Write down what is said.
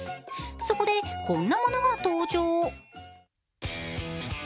そこで、こんなものが登場。